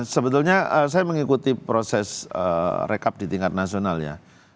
sebetulnya saya mengikuti proses rekap di tingkat nasional ya